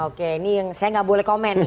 oke ini yang saya gak boleh komen nih